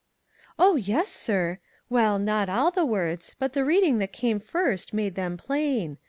"Oh, yes, sir; well, not all the words; but the reading that came first made them plain.